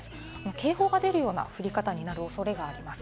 警報が出るような降り方になる恐れがあります。